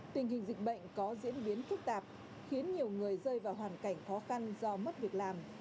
tình hình dịch bệnh có diễn biến phức tạp khiến nhiều người rơi vào hoàn cảnh khó khăn do mất việc làm